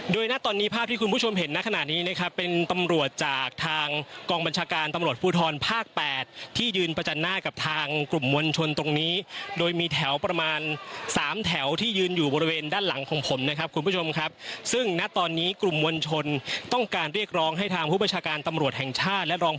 โดยณตอนนี้ภาพที่คุณผู้ชมเห็นณขณะนี้นะครับเป็นตำรวจจากทางกองบัญชาการตำรวจภูทรภาค๘ที่ยืนประจันหน้ากับทางกลุ่มมวลชนตรงนี้โดยมีแถวประมาณสามแถวที่ยืนอยู่บริเวณด้านหลังของผมนะครับคุณผู้ชมครับซึ่งณตอนนี้กลุ่มมวลชนต้องการเรียกร้องให้ทางผู้ประชาการตำรวจแห่งชาติและรอง